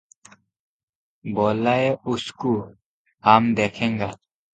ବୋଲାଓ ଉସ୍କୁ, ham ଦେଖେଙ୍ଗା ।"